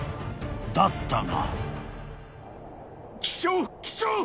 ［だったが］